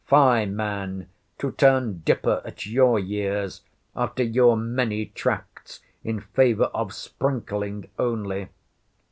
Fie, man, to turn dipper at your years' after your many tracts in favour of sprinkling only!